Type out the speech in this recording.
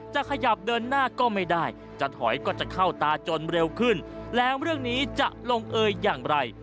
จะขยับเดินหน้าก็ไม่ได้จะถอยก็จะเข้าตาจนเร็วขึ้นแล้วเรื่องนี้จะลงเอยอย่างไร